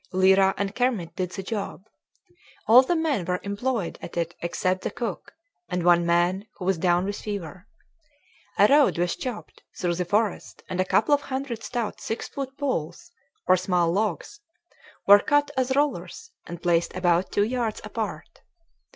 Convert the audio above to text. Lyra and Kermit did the job. All the men were employed at it except the cook, and one man who was down with fever. A road was chopped through the forest and a couple of hundred stout six foot poles, or small logs, were cut as rollers and placed about two yards apart.